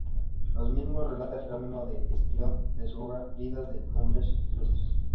Lo mismo relata Jerónimo de Estridón en su obra "Vidas de hombres ilustres".